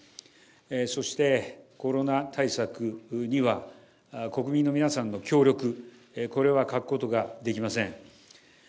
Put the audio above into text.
そしてコロナ対策には、国民の皆さんの協力、これは欠くことができません。